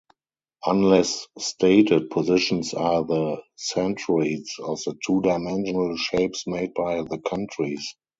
Unless stated, positions are the centroids of the two-dimensional shapes made by the countries.